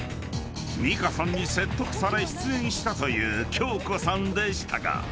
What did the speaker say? ［美香さんに説得され出演したという恭子さんでしたが］